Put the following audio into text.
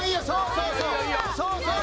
そうそうそう！